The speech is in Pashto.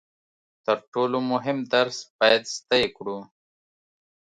تر ټولو مهم درس باید زده یې کړو.